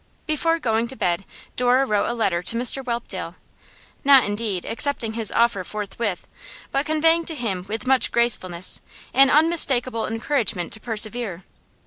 Before going to bed Dora wrote a letter to Mr Whelpdale, not, indeed, accepting his offer forthwith, but conveying to him with much gracefulness an unmistakable encouragement to persevere.